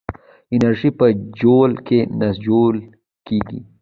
انرژي په جول کې سنجول کېږي.